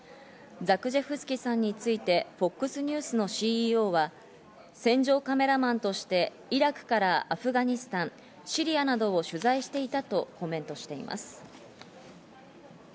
ザクジェフスキさんについてＦＯＸニュースのＣＥＯは戦場カメラマンとして、イラクからアフガニスタン、シリアなどを取材していたとコメントしています。